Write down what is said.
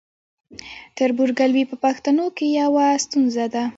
تربورګلوي په پښتنو کې یوه ستونزه ده.